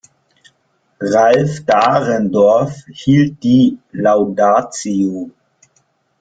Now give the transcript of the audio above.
Ralf Dahrendorf hielt die Laudatio.